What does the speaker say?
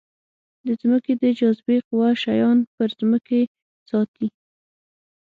د ځمکې د جاذبې قوه شیان پر ځمکې ساتي.